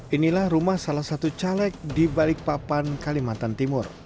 inilah rumah salah satu caleg di balikpapan kalimantan timur